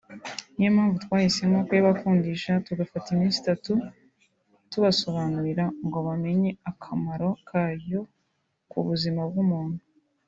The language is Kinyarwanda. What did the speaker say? niyo mpamvu twahisemo kuyabakundisha tugafata iminsi itatu tubasobanurira ngo bamenye akamaro kayo ku buzima bw’umuntu